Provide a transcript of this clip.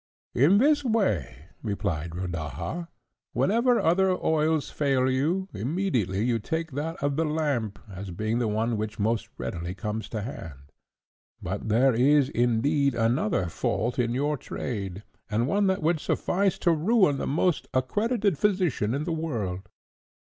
"In this way," replied Rodaja; "whenever other oils fail you, immediately you take that of the lamp, as being the one which most readily comes to hand. But there is, indeed, another fault in your trade, and one that would suffice to ruin the most accredited physician in the world."